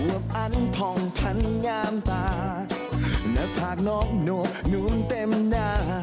วบอันผ่องพันงามตาหน้าผากน้องหนวกนวมเต็มหน้า